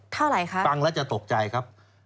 เท่าไหร่คะฟังแล้วจะตกใจครับ